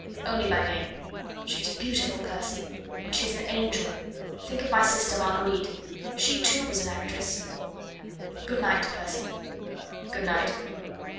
"Only by name." "She is beautiful, Percy, and she is an angel.... Think of my sister Marguerite... she, too, was an actress.... Good night, Percy." "Good night."